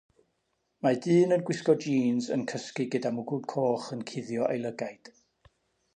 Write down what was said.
Mae dyn yn gwisgo jîns yn cysgu gyda mwgwd coch yn cuddio ei lygaid.